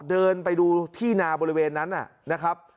เดินไปดูที่นาบริเวณนั้นนะครับ